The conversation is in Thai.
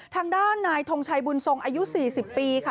ทางด้านนายทงชัยบุญทรงอายุ๔๐ปีค่ะ